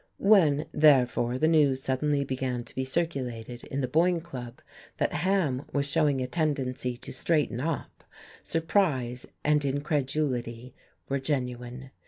When, therefore, the news suddenly began to be circulated in the Boyne Club that Ham was showing a tendency to straighten up, surprise and incredulity were genuine.